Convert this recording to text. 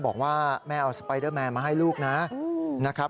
บอกว่าแม่เอาสไปเดอร์แมนมาให้ลูกนะครับ